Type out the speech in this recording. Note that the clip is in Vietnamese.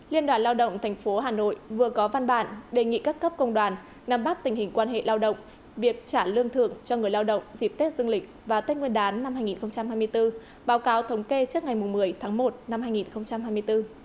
liên đoàn lao động tp hà nội vừa có văn bản đề nghị các cấp công đoàn nằm bắt tình hình quan hệ lao động việc trả lương thưởng cho người lao động dịp tết dương lịch và tết nguyên đán năm hai nghìn hai mươi bốn báo cáo thống kê trước ngày một mươi tháng một năm hai nghìn hai mươi bốn